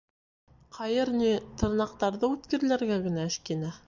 — Ҡайыр ни, тырнаҡтарҙы үткерләргә генә эшкинә.